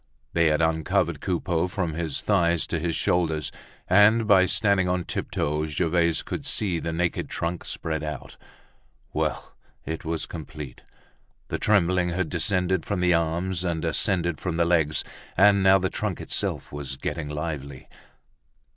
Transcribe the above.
They had uncovered Coupeau from his thighs to his shoulders, and by standing on tiptoe Gervaise could see the naked trunk spread out. Well! it was complete. The trembling had descended from the arms and ascended from the legs, and now the trunk itself was getting lively!